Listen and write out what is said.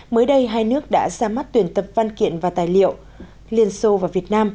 mới đây hai nước đã ra mắt tuyển tập văn kiện và tài liệu liên xô và việt nam